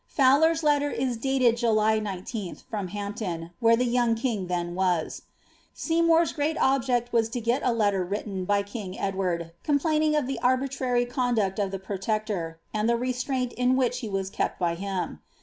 Fowler's letter is dated Jaly I9ih, from Hampton, where Ihe young king then was. Seymour's great object was to gel a letter written by king Edward, complaining of the arbiirary conduct of the protector, and ihe reslraini in which he was kept by him.